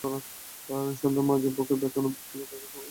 সন্ধ্যায় মিজানুর বুকে ব্যথা অনুভব করলে তাঁকে প্রাথমিক চিকিৎসা দেওয়া হয়।